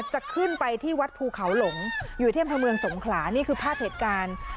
จะขึ้นไปที่วัดภูเขาหลงอยู่ที่อำเภอเมืองสงขลานี่คือภาพเหตุการณ์